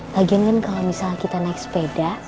lagian kan kalo misalnya kita naik sepeda